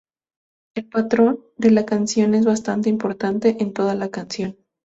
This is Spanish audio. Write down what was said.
El patrón de la canción es bastante importante en toda la canción.